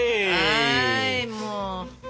はいもう。